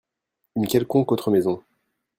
Une quelconque autre maison.